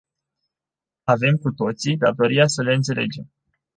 Avem cu toții datoria să le înțelegem.